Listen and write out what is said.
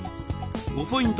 ５ポイント